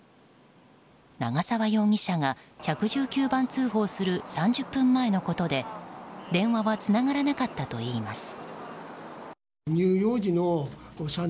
長沢容疑者が１１９番通報する３０分前のことで電話はつながらなかったといいます。